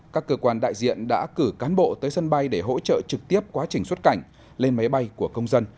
các cơ quan đại diện đã cử cán bộ tới sân bay để hỗ trợ trực tiếp quá trình xuất cảnh lên máy bay của công dân